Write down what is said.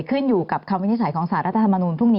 เชิญว่าไปคิดตามความวิจัยสารตะธรรมนูน